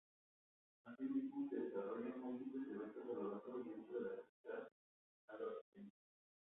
Asimismo, se desarrollan múltiples eventos a lo largo y ancho de la capital albaceteña.